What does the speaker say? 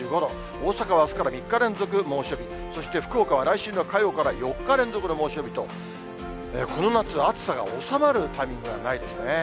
大阪はあすから３日連続猛暑日、そして福岡は来週の火曜から４日連続で猛暑日と、この夏、暑さが収まるタイミングがないですね。